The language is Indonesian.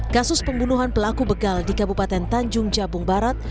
kasus pembunuhan pelaku begal di kabupaten tanjung jabung barat